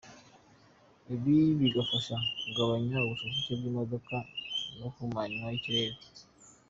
Ibi bigafasha mu kugabanya ubucucike bw’imodoka n’ihumanywa ry’ikirere.